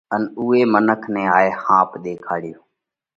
ان اُوئي منک نئہ هائي ۿاپ ۮيکاڙيو۔